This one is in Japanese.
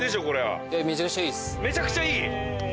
めちゃくちゃいい。